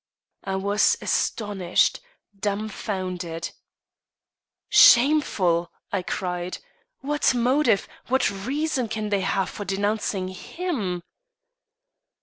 I was astonished; dumfounded. "Shameful!" I cried. "What motive, what reason can they have for denouncing _him?